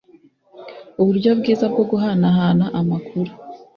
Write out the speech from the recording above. uburyo bwiza bwo guhanahana amakuru